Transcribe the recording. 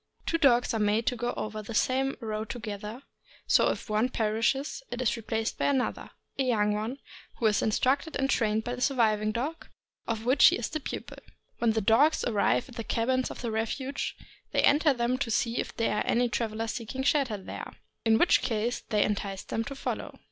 Two dogs are made to go over the same road together, so if one perishes it is replaced by another — a young one, who is instructed and trained by the surviving dog, of which he is the pupil. AVhen the dogs arrive at the cabins of refuge, they enter them to see if there are any travelers seeking shelter there, in which case they entice them to follow.